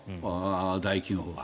大企業が。